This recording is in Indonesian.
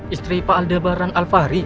istri pak aldebaran alfahri